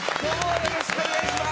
よろしくお願いします。